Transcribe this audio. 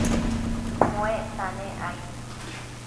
muecta nec aid